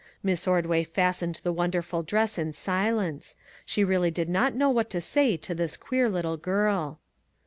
Miss Ordway fastened the wonderful dress in silence ; she really did not know what to say to this queer little girl.